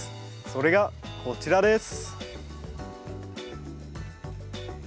それがこちらです。